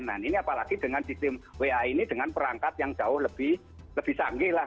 nah ini apalagi dengan sistem wa ini dengan perangkat yang jauh lebih canggih lah